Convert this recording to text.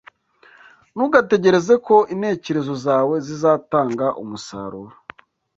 ntugategereze ko intekerezo zawe zizatanga umusaruro